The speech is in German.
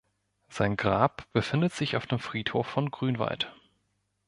Sein Grab befindet sich auf dem Friedhof von Grünwald.